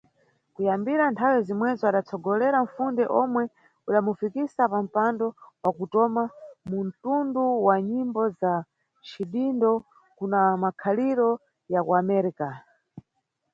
Kuyambira nthawe zimwezo adatsogolera nfunde omwe udamufikisa pampando wakutoma muntundu wa nyimbo za cidindo kuna makhaliro ya kuAmérica.